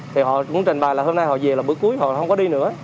thì họ cũng trình bài là hôm nay họ về là bữa cuối họ không có đi nữa